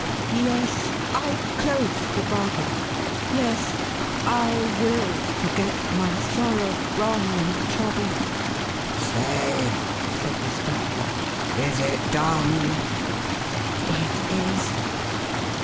Yes, I close the bargain. Yes ! I WILL forget my sorrow, wrong, and trouble !"" Say," said the Spectre, " is it done ?" «Itis!"